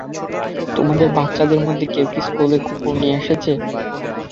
তোমাদের বাচ্চাদের মধ্যে কেউ কি স্কুলে কুকুর নিয়ে এসেছে?